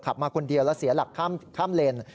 มาคนเดียวแล้วเสียหลักข้ามเลน